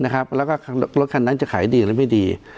แล้วก็รถคันนั้นจะขายดีหรือไม่ดี